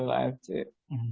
iya betul acik